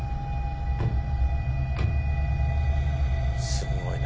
すごいな。